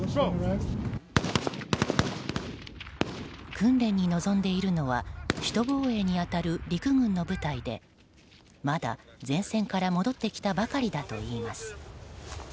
訓練に臨んでいるのは首都防衛に当たる陸軍の部隊でまだ前線から戻ってきたばかりだといいます。